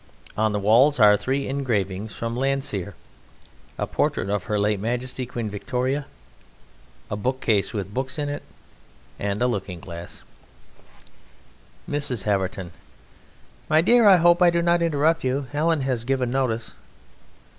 On the walls are three engravings from Landseer, a portrait of Her late Majesty Queen Victoria, a bookcase with books in it, and a looking glass_.) MRS. HAVERTON: My dear I hope I do not interrupt you Helen has given notice.